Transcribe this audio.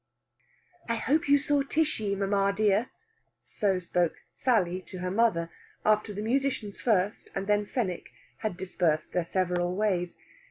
"I hope you saw Tishy, mamma dear." So spoke Sally to her mother, after the musicians first, and then Fenwick, had dispersed their several ways.